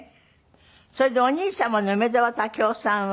それでお兄様の梅沢武生さんは。